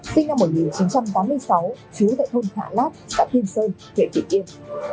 sinh năm một nghìn chín trăm tám mươi sáu trú tại thôn thạ lát xã thiên sơn huyện thị yên